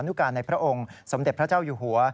นุการในพระองค์สมเด็จพระเจ้าอยู่หัว